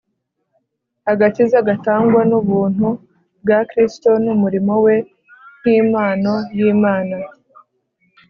Agakiza gatangwa n'ubuntu bwa Kristo n'umurimo we nk'impano y'Imana.